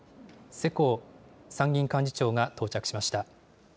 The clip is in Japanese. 世耕参議院幹事長が到着しました。